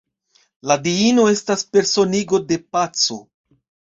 La diino estas personigo de paco.